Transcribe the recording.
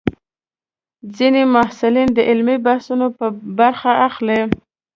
ځینې محصلین د علمي بحثونو برخه اخلي.